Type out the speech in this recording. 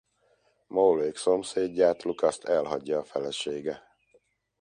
Mole-ék szomszédját Lucast elhagyja a felesége.